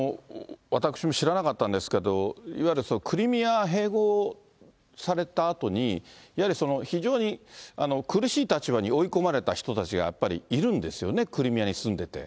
私も知らなかったんですけど、いわゆるクリミア併合されたあとに、非常に苦しい立場に追い込まれた人たちがやっぱりいるんですよね、クリミアに住んでて。